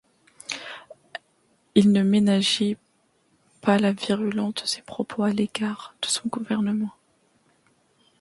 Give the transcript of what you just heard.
Il ne ménageait pas la virulence de ses propos à l'égard de son gouvernement.